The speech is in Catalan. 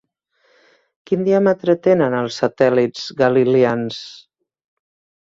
Quin diàmetre tenen els satèl·lits galileans?